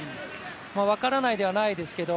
分からないではないですけど、